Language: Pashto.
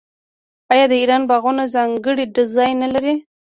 آیا د ایران باغونه ځانګړی ډیزاین نلري؟